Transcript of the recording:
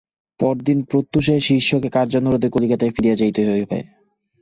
পরদিন প্রত্যুষে শিষ্যকে কার্যানুরোধে কলিকাতায় ফিরিয়া যাইতেই হইবে।